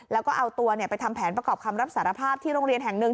แล้วก็เอาตัวไปทำแผนประกอบคำรับสารภาพที่โรงเรียนแห่งหนึ่ง